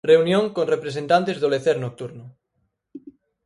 Reunión con representantes do lecer nocturno.